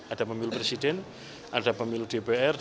ada pemilu presiden ada pemilu dpr dprd dan pemilu dpd